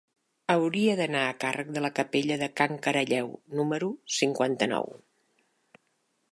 Hauria d'anar al carrer de la Capella de Can Caralleu número cinquanta-nou.